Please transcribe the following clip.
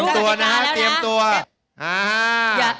เตรียมตัวนะ